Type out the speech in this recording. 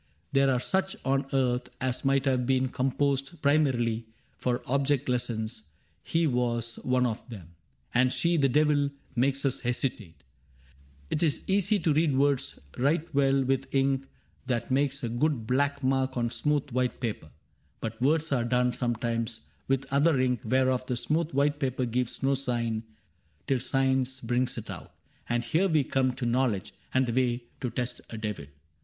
There are such on earth As might have been composed primarily For object lessons : he was one of them, And she — the devil makes us hesitate : 'T is easy to read words writ well with ink That makes a good black mark on smooth white paper ; But words are done sometimes with other ink Whereof the smooth white paper gives no sign Till science brings it out ; and here we come To knowledge, and the way to test a devil.